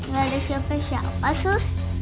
gak ada siapa siapa sih